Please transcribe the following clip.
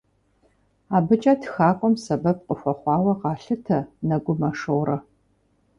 АбыкӀэ тхакӀуэм сэбэп къыхуэхъуауэ къалъытэ Нэгумэ Шорэ.